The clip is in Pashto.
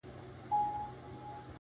لکه انار دانې، دانې د ټولو مخته پروت يم.